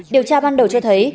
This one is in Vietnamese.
điều tra ban đầu cho thấy